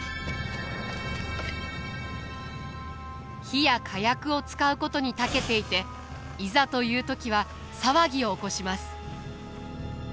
火や火薬を使うことにたけていていざという時は騒ぎを起こします。